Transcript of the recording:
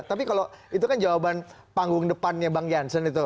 tapi kalau itu kan jawaban panggung depannya bang jansen itu